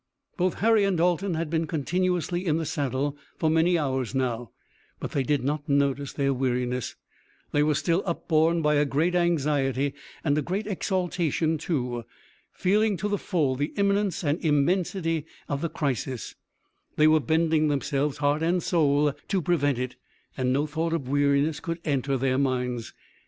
Both Harry and Dalton had been continuously in the saddle for many hours now, but they did not notice their weariness. They were still upborne by a great anxiety and a great exaltation, too. Feeling to the full the imminence and immensity of the crisis, they were bending themselves heart and soul to prevent it, and no thought of weariness could enter their minds.